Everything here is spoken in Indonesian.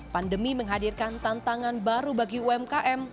pandemi menghadirkan tantangan baru bagi umkm